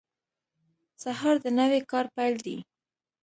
سهار د نوي کار پیل دی.